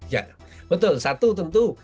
ya betul satu tentu